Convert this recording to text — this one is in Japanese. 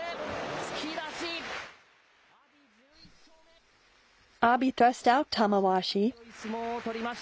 突き出し。